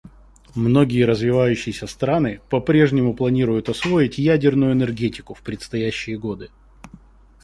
Многие развивающиеся страны по-прежнему планируют освоить ядерную энергетику в предстоящие годы.